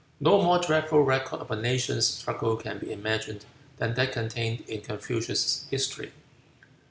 No more dreadful record of a nation's struggles can be imagined than that contained in Confucius's history.